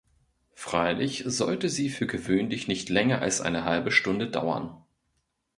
Freilich sollte sie für gewöhnlich nicht länger als eine halbe Stunde dauern.